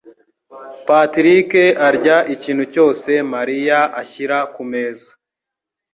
Patrick arya ikintu cyose Mariya ashyira kumeza.